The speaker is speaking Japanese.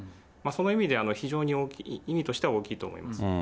その意味で非常に意味としては大きいと思います。